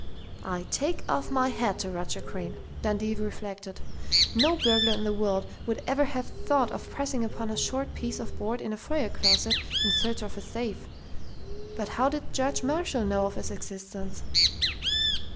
"I take off my hat to Roger Crain!" Dundee reflected. "No burglar in the world would ever have thought of pressing upon a short piece of board in a foyer closet, in search of a safe.... But how did Judge Marshall know of its existence?"